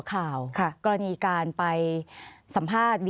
ขอบคุณครับ